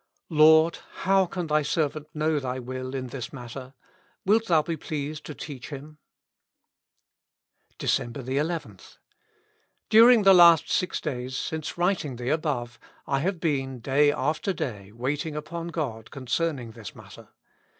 " Lord ! how can Thy servant know Thy will in this matter? Wilt Thou be pleased to teach him ?" Decejnber 11.— During the last six days, since writing the above, I have been, day after day, waiting upon God concern ing this matter.